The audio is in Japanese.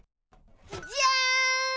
じゃん！